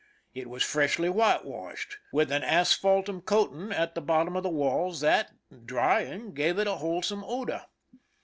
It was freshly whitewashed, with an asphaltum coating at the bottom of the walls that, drying, gave a wholesome odor.